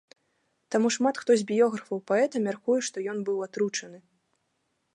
Таму шмат хто з біёграфаў паэта мяркуе, што ён быў атручаны.